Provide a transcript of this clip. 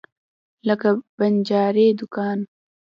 لکه د بنجاري دکان.